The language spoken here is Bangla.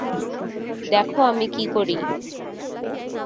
দেখ আমি কী করি!